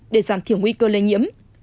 để giảm thiểu nguy cơ lây nhiễm